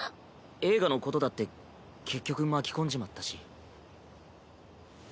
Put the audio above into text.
映画のことだって結局巻き込んじまったし。